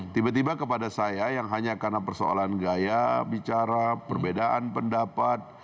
tiba tiba kepada saya yang hanya karena persoalan gaya bicara perbedaan pendapat